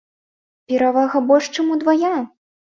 Перавага больш чым удвая!